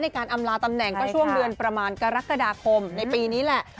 การอำลาตำแหน่งก็ช่วงเดือนประมาณกรกฎาคมในปีนี้แหละ